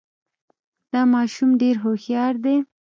دا ماشوم ډېر هوښیار دی.